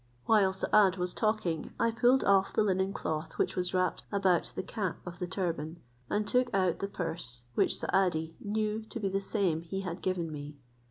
While Saad was talking, I pulled off the linen cloth which was wrapped about the cap of the turban, and took out the purse, which Saadi knew to be the same he had given me.